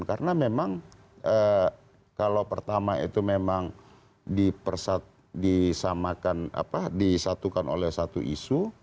karena memang kalau pertama itu memang disatukan oleh satu isu